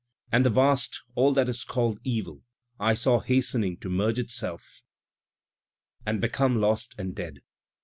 And the vast all that is call'd Evil I saw hastening to merge itself and become lost and dead.